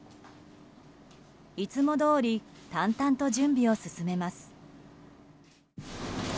いつもどおり淡々と準備を進めます。